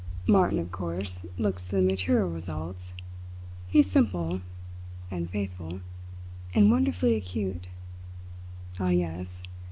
Martin, of course, looks to the material results. He's simple and faithful and wonderfully acute." "Ah, yes!